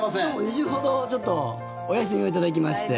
２週ほど、ちょっとお休みを頂きまして。